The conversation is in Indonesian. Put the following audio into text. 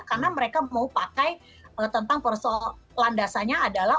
karena mereka mau pakai tentang persoalan landasannya adalah